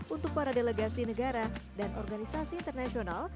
untuk para delegasi negara dan organisasi internasional